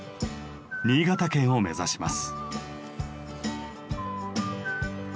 新潟県を目指します。